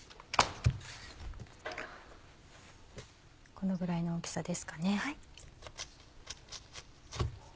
このぐらいの大きさですかね。